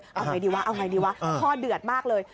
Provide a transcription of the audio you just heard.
เอาอย่างไรดีวะเอาอย่างไรดีวะพ่อเดือดมากเลย